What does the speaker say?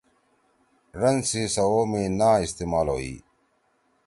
ڙن سی سوؤ می نا استعمال ہوئی۔